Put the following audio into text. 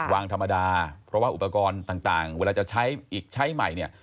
วางธรรมดาเพราะว่าอุปกรณ์ต่างเวลาจะใช้อีกใช้ใหม่เนี่ย